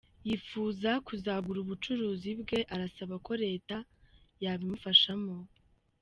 Yifuza kuzagura ubucuruzi bwe arasaba ko Leta ko yabimufashamo.